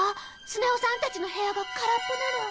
スネ夫さんたちの部屋が空っぽなの。